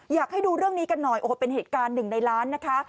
อยากให้ดูเรื่องนี้กันหน่อยโอ้โหเป็นเหตุการณ์หนึ่งในล้านนะคะ